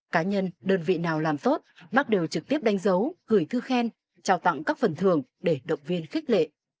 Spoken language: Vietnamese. cá nhân đơn vị nào làm tốt bác đều trực tiếp đánh dấu gửi thư khen trao tặng các phần thường để động viên khích lệ